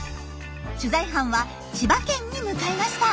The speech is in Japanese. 取材班は千葉県に向かいました。